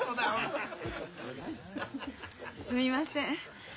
すいません。